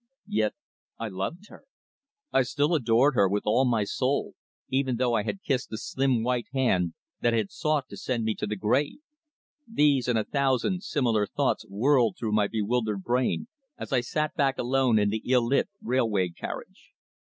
Yet I loved her. I still adored her with all my soul, even though I had kissed the slim white hand that had sought to send me to the grave. These and a thousand similar thoughts whirled through my bewildered brain as I sat back alone in the ill lit railway carriage.